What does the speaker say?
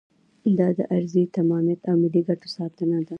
دا د ارضي تمامیت او ملي ګټو ساتنه ده.